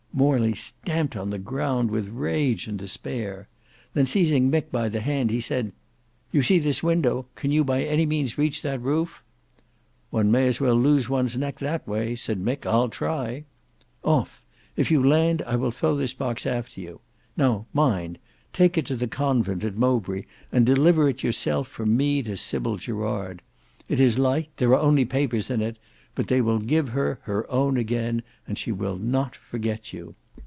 Morley stamped on the ground with rage and despair. Then seizing Mick by the hand he said, "You see this window; can you by any means reach that roof?" "One may as well lose one's neck that way," said Mick. "I'll try." "Off! If you land I will throw this box after you. Now mind; take it to the convent at Mowbray and deliver it yourself from me to Sybil Gerard. It is light; there are only papers in it; but they will give her her own again, and she will not forget you."